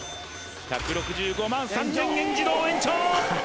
１６５万３０００円自動延長！